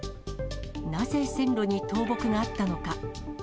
なぜ線路に倒木があったのか。